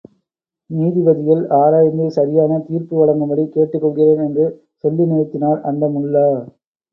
நீதிபதிகள் ஆராய்ந்து சரியான தீர்ப்பு வழங்கும்படி கேட்டுக்கொள்கிறேன் என்று சொல்லி நிறுத்தினார் அந்த முல்லா.